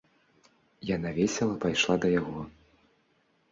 Яна весела пайшла да яго.